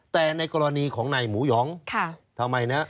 แต่ในกรณีของนายหมูหยองทำไมนะ